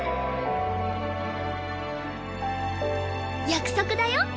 「約束だよ